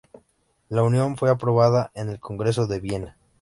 La unión fue aprobada en el Congreso de Viena.